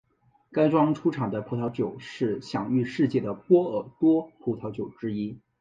该庄出产的葡萄酒是享誉世界的波尔多葡萄酒之一。